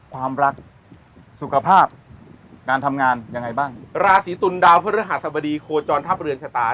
ความรักสุขภาพการทำงานยังไงบ้างราศีตุลดาวพฤหัสบดีโคจรทัพเรือนชะตา